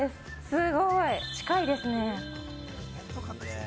すごい近いですね。